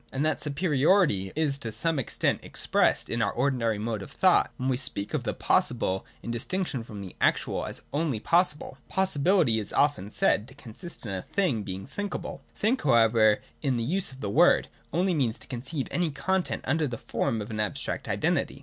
And that superiority is to some extent expressed in our ordinary mode of thought when we speak of the possible, in distinction from the actual, as only possible. Possibility is often said to consist in a thing's being thinkable. ' Think,' however, in this use of the word, only means to conceive any content under the form of an abstract identity.